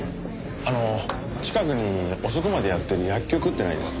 あの近くに遅くまでやってる薬局ってないですか？